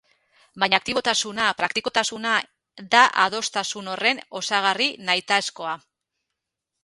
Baina aktibotasuna, praktikotasuna, da adostasun horren osagarri nahitaezkoa.